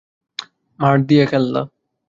মার দিয়া কেল্লা।